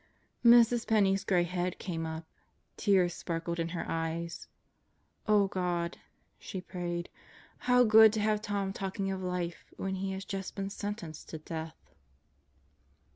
Mrs. Penney's gray head came up. Tears sparkled in her eyes. "Oh God," she prayed, "how good to have Tom talking of life when he has just been sentenced to death!"